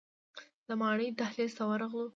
د ماڼۍ دهلیز ته ورغلو.